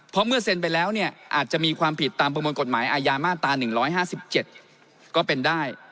เพราะเมื่อเซ็นไปแล้วเนี่ยอาจจะมีความผิดตามประมวลกฎหมายอาญามาตรา๑๕๗ก็เป็นได้